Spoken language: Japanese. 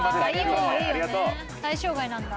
対象外なんだ。